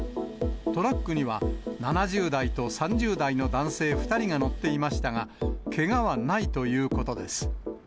トラックには、７０代と３０代の男性２人が乗っていましたが、けがはないということです。